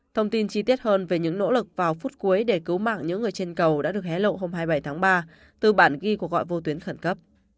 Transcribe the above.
thông tin chi tiết hơn về những nỗ lực vào phút cuối để cứu mạng những người trên cầu đã được hé lộ hôm hai mươi bảy tháng ba từ bản ghi cuộc gọi vô tuyến khẩn cấp